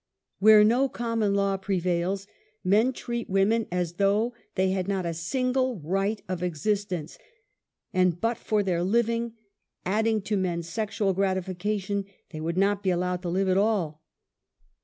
Where no common law prevails, men treat women as though they had not a single right of existence, and but for their living, adding to men's sexual gratification, they would not be allowed to live at all.